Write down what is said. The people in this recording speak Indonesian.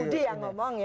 itu budi yang ngomong ya